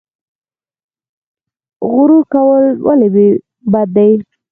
غرور کول ولې بد دي؟